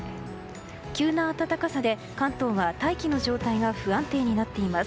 急な暖かさで関東は大気の状態が不安定になっています。